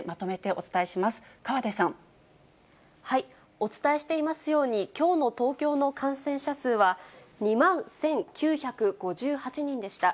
お伝えしていますように、きょうの東京の感染者数は、２万１９５８人でした。